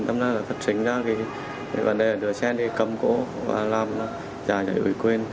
tâm lý là phát trình ra cái vấn đề là đưa xe đi cầm cố và làm giải giải ủy quyền